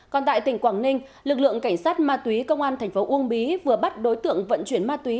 còn tại tỉnh quảng ninh lực lượng cảnh sát ma túy công an thành phố uông bí vừa bắt đối tượng vận chuyển ma túy